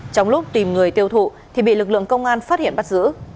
trong lúc tìm người tiêu thụ thì bị lực lượng công an phát hiện bắt giữ